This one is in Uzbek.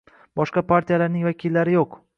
Boshqa partiyalarning vakillari yo'q